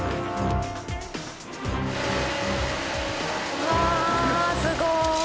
うわあすごい！